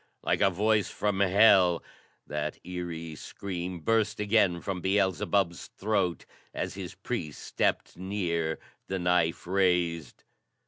Like a voice from hell, that eery scream burst again from Beelzebub's throat as his priest stepped near, the knife raised.